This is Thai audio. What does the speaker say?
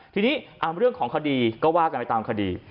ทีนี้เรื่องของคดีก็ว่ากันไปตามคดี